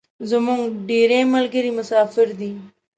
زمونږ ډیری ملګري مسافر دی